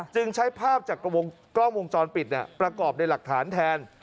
จึงใช้ภาพจากวงกล้องวงจรปิดประกอบในหลักฐานแทน